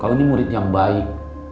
kalau ini murid yang baik